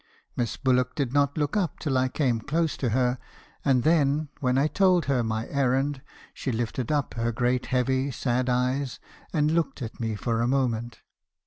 "Miss Bullock did not look up till I came close to her; and then , when I told her my errand , she lifted up her great heavy, sad eyes , and looked at me for a moment.